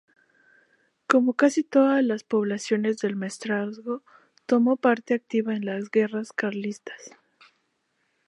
Como casi todas las poblaciones del Maestrazgo tomó parte activa en las guerras carlistas.